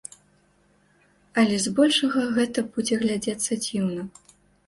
Але збольшага гэта будзе глядзецца дзіўна.